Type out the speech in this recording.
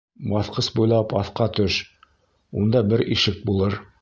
Баҫҡыс буйлап аҫҡа төш, унда бер ишек булыр.